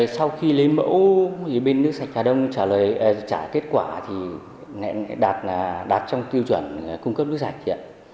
sau khi lấy mẫu thì bên nước sạch hà đông trả kết quả thì đạt trong tiêu chuẩn cung cấp nước sạch